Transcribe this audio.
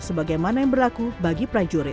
sebagaimana yang berlaku bagi prajurit